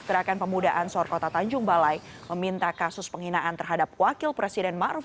gerakan pemuda ansor kota tanjung balai meminta kasus penghinaan terhadap wakil presiden ma'ruf